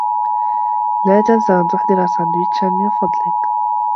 لا تنس أن تحضر ساندويشا من فضلك.